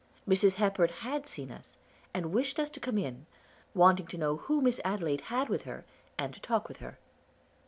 Mrs. Hepburn had seen us, and wished us to come in, wanting to know who Miss Adelaide had with her, and to talk with her.